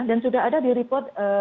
dan sudah ada di report wau